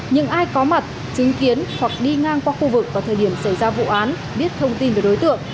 những ai có mặt chứng kiến hoặc đi ngang qua khu vực vào thời điểm xảy ra vụ án biết thông tin về đối tượng